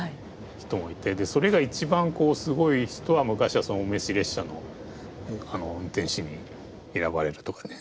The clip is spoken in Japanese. それが一番すごい人は昔はお召し列車の運転士に選ばれたとかね。